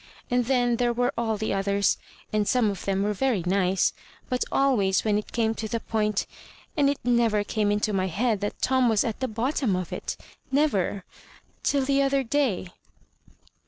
And then there were all the others, and some of them were very nice ; but always when it came to the point And it never came into my head that Tom was at the bottom of it — never, till the other day."